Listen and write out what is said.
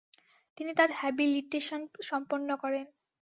তিনি তার হ্যাবিলিটেশন সম্পন্ন করেন।